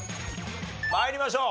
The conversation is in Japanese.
参りましょう。